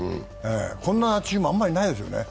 こんなチームあんまりないですよね。